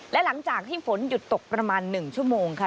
และหลังจากที่ฝนหยุดตกประมาณ๑ชั่วโมงค่ะ